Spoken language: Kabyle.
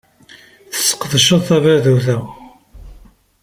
Tesqedceḍ tadabut-a.